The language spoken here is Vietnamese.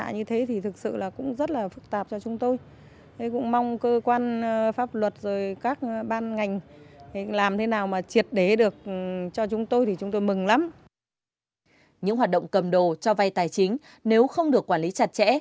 những hoạt động cầm đồ cho vay tài chính nếu không được quản lý chặt chẽ